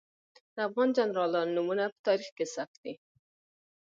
د افغان جنرالانو نومونه په تاریخ کې ثبت دي.